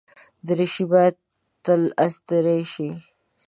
دریشي باید تل استری شي.